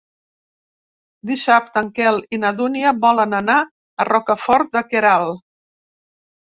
Dissabte en Quel i na Dúnia volen anar a Rocafort de Queralt.